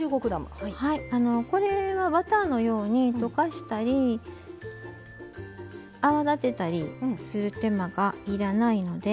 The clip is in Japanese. これはバターのように溶かしたり泡立てたりする手間が要らないので。